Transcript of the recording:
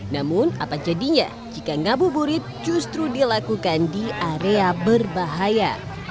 namun apa jadinya jika ngabuburit justru dilakukan di area berbahaya